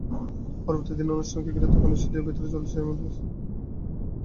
পরবর্তী দিনের অনুষ্ঠানকে ঘিরে তখন স্টুডিওর ভেতরে চলছে শেষ মুহূর্তের প্রস্তুতি।